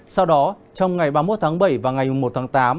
sau đó trong ngày ba mươi một tháng bảy và ngày một tháng tám